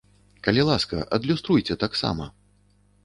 Калі ласка, адлюструйце таксама!